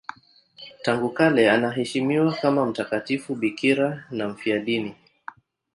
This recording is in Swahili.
Tangu kale anaheshimiwa kama mtakatifu bikira na mfiadini.